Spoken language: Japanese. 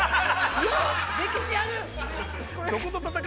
◆歴史ある。